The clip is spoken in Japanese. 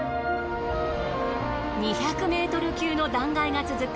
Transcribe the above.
２００ｍ級の断崖が続く